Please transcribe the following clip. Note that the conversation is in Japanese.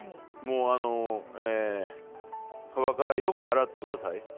もう皮からよく洗って下さい。